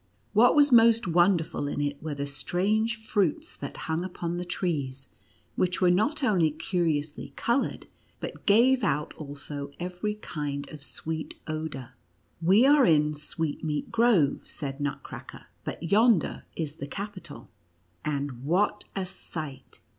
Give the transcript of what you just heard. What was most wonderful in it were the strange fruits that hung upon the trees, which were not only curiously colored, but gave out also every kind of sweet odor. " We are in Sweetmeat Grove," said Nutcracker, " but yonder is the Capital." And what a sight!